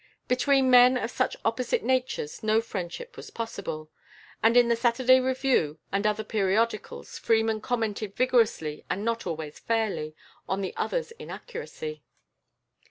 Between men of such opposite natures no friendship was possible, and in the Saturday Review and other periodicals Freeman commented vigorously, and not always fairly, on the other's inaccuracy.